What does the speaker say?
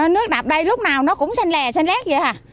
nước đập đây lúc nào nó cũng xanh lè xanh lét vậy à